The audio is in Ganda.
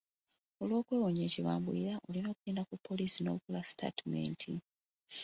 Olw’okwewonya ekibabumbulira olina kugenda ku ppoliisi n’okola sitaatimenti.